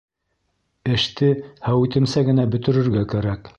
Эште һәүетемсә генә бөтөрөргә кәрәк.